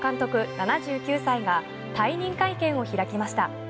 ７９歳が退任会見を開きました。